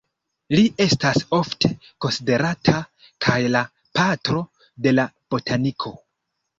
Li estas ofte konsiderata kaj la "patro de la botaniko".